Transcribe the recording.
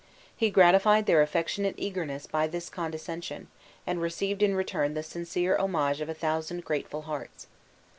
He gratified their affectionate eagerness by this condescension, and received in return the sincere homage of a thousand grateful hearts.